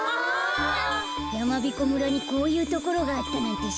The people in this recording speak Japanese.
やまびこ村にこういうところがあったなんてしらなかったなあ。